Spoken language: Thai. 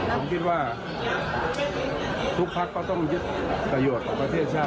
ผมคิดว่าทุกพักก็ต้องยึดประโยชน์ของประเทศชาติ